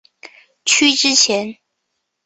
区之前。